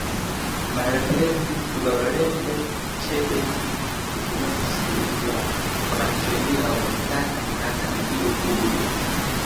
marehemu flolebe chebe ikiendelea kusikilizwa wanasheria wameitaka mahakama iwe huru